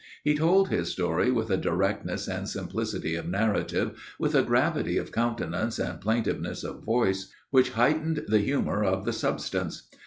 He told his story with a directness and simplicity of narrative, with a gravity of countenance and plaintiveness of voice, which heightened the humor of the substance.